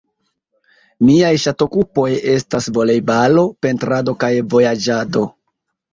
Miaj ŝatokupoj estas volejbalo, pentrado kaj vojaĝado.